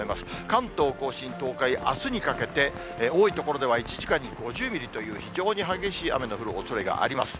関東甲信、東海、あすにかけて多い所では１時間に５０ミリという非常に激しい雨の降るおそれがあります。